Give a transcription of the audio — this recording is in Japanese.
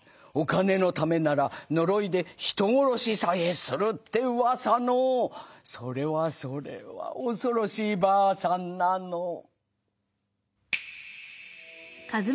お金のためなら呪いで人殺しさえするってうわさのそれはそれは恐ろしい婆さんなの」。